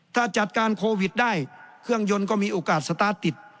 ถ้าจัดการโควิดได้เครื่องยนต์ก็มีโอกาสสตาร์ทติด